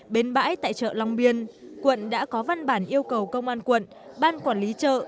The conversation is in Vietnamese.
bến bãi tại trợ lòng biên quận đã có văn bản yêu cầu công an quận ban quản lý trợ